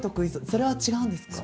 それは違うんですか？